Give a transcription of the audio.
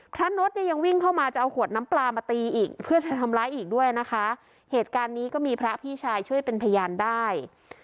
นดเนี่ยยังวิ่งเข้ามาจะเอาขวดน้ำปลามาตีอีกเพื่อจะทำร้ายอีกด้วยนะคะเหตุการณ์นี้ก็มีพระพี่ชายช่วยเป็นพยานได้